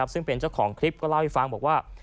ซึ่งเป็นเจ้าของคลิปก็เล่าให้ฟังบอกว่า